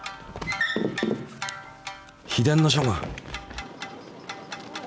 「秘伝の書」が！